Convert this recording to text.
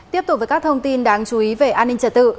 tiếp tục với các thông tin đáng chú ý về an ninh trật tự